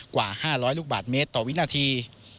กว่า๕๐๐ลูกบาทเมตรต่อวินาที